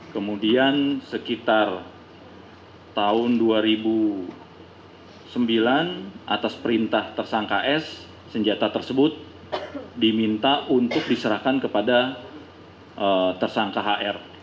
kemudian sekitar tahun dua ribu sembilan atas perintah tersangka s senjata tersebut diminta untuk diserahkan kepada tersangka hr